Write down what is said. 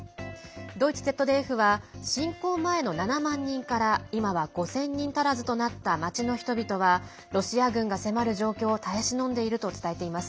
ドイツＺＤＦは侵攻前の７万人から今は５０００人足らずとなった町の人々はロシア軍が迫る状況を耐え忍んでいると伝えています。